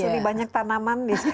ini banyak tanaman